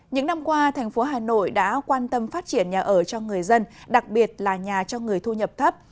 những năm qua thành phố hà nội đã quan tâm phát triển nhà ở cho người dân đặc biệt là nhà cho người thu nhập thấp